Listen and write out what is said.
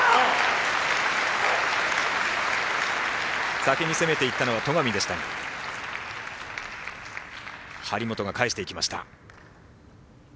先に攻めていったのは戸上でしたが張本が返していきました。